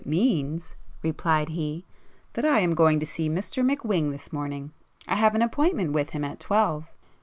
"It means"—replied he—"that I am going to see Mr McWhing this morning. I have an appointment with him at twelve.